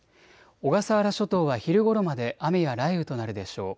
小笠原諸島は昼ごろまで雨や雷雨となるでしょう。